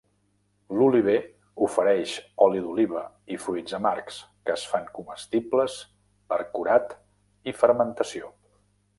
L'oliver ofereix oli d'oliva i fruits amargs, que es fan comestibles per curat i fermentació.